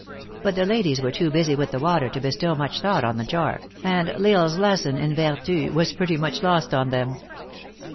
But the ladies were too busy with the water to bestow much thought on the jar, and L Isle s lesson in vertu was pretty much lost on them.